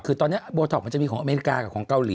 คือตอนนี้โบท็อกมันจะมีของอเมริกากับของเกาหลี